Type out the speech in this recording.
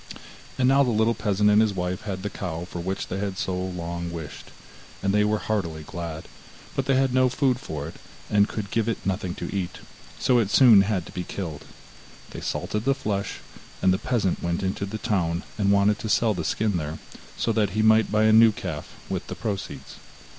And now the little peasant and his wife had the cow for which they had so long wished, and they were heartily glad, but they had no food for it, and could give it nothing to eat, so it soon had to be killed. They salted the flesh, and the peasant went into the town and wanted to sell the skin there, so that he might buy a new calf with the proceeds.